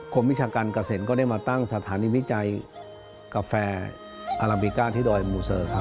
วิชาการเกษตรก็ได้มาตั้งสถานีวิจัยกาแฟอาราบิก้าที่ดอยมูเซอร์ครับ